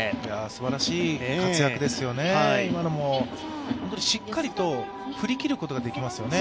すばらしい活躍ですよね、今のも本当にしっかりと振りきることができますよね。